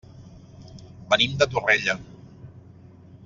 Venim de Torrella.